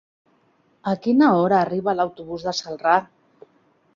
A quina hora arriba l'autobús de Celrà?